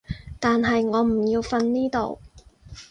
但係我唔要瞓呢度